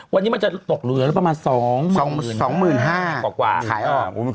วันนี้มันจะตกเหลือประมาณ๒๕๐๐กว่า